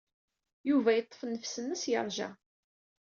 Yuba yeḍḍef nnefs-nnes, yeṛja.